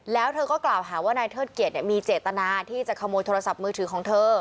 แล้วเธอก็กล่าวหาว่านายเทิดเกียจมีเจตนาที่จะขโมยโทรศัพท์มือถือของเธอ